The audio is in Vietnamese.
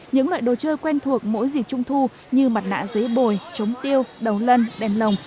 những loại đồ chơi quen thuộc mỗi dịp trung thu như mặt nạ giấy bồi trống tiêu đầu lân đèn lồng